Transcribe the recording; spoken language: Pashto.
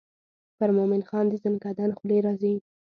پر مومن خان د زکندن خولې راځي.